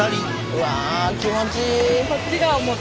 うわ気持ちいい。